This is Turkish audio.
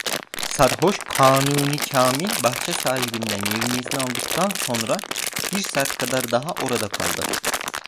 Sarhoş Kanuni Kamil, bahçe sahibinden yevmiyesini aldıktan sonra bir saat kadar daha orada kaldı.